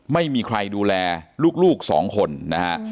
ไม่มีใครดูแลลูก๒คนนะครับ